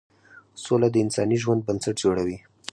سوله د انساني ژوند بنسټ جوړوي.